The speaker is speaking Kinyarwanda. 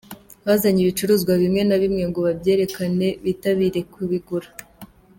Bazanye ibicuruzwa bimwe na bimwe ngo babyerekane bitabire kubigura.